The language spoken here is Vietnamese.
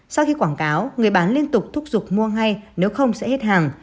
sau khi quảng cáo người bán liên tục thúc giục mua ngay nếu không sẽ hết hàng